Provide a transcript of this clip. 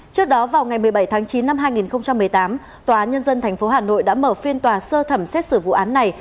trước đó vào ngày một mươi bảy tháng chín năm hai nghìn một mươi tám tòa nhân dân tp hà nội đã mở phiên tòa sơ thẩm xét xử vụ án này